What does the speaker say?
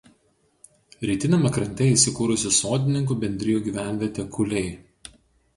Rytiniame krante įsikūrusi sodininkų bendrijų gyvenvietė Kuliai.